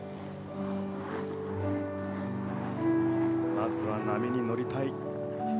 まずは波にのりたい。